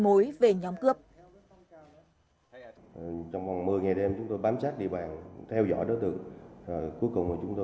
mối về nhóm cướp trong vòng một mươi ngày đêm chúng tôi bám sát địa bàn theo dõi đối tượng cuối cùng